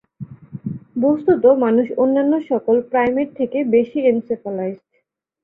বস্তুত মানুষ অন্যান্য সকল প্রাইমেট থেকে বেশি এনসেফালাইজড।